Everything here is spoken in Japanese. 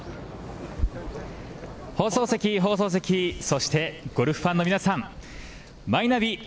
放送席、放送席、そしてゴルフファンの皆さん、マイナビ